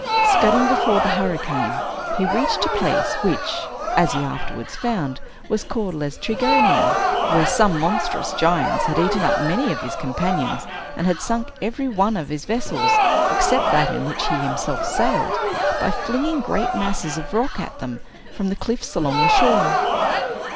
Scudding before the hurricane, he reached a place, which, as he afterwards found, was called Laestrygonia, where some monstrous giants had eaten up many of his companions, and had sunk every one of his vessels, except that in which he himself sailed, by flinging great masses of rock at them, from the cliffs along the shore.